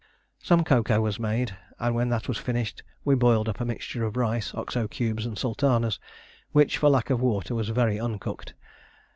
Some cocoa was made; and when that was finished we boiled up a mixture of rice, Oxo cubes, and sultanas, which for lack of water was very uncooked.